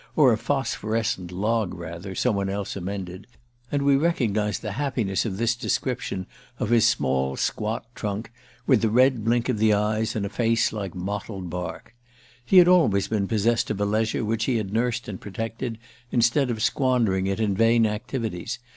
"Or a phosphorescent log, rather," some one else amended; and we recognized the happiness of this description of his small squat trunk, with the red blink of the eyes in a face like mottled bark. He had always been possessed of a leisure which he had nursed and protected, instead of squandering it in vain activities.